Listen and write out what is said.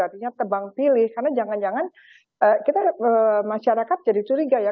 artinya tebang pilih karena jangan jangan kita masyarakat jadi curiga ya